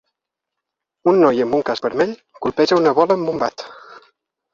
Un noi amb un casc vermell copeja una bola amb un bat.